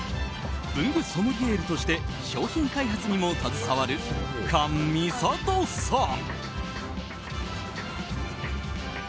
文具ソムリエールとして商品開発にも携わる菅未里さん。